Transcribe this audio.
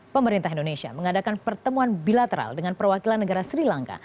pemerintah indonesia mengadakan pertemuan bilateral dengan perwakilan negara sri lanka